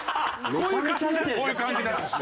こういう感じなんですよ。